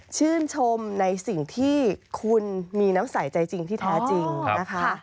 ชื่นชมในสิ่งที่คุณมีน้ำใส่ใจจริงที่แท้จริงนะคะ